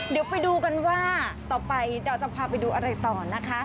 เดี๋ยวไปดูกันว่าต่อไปเราจะพาไปดูอะไรต่อนะคะ